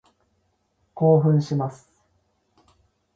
興奮します。